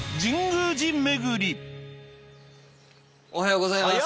おはようございます。